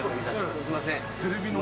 すいません。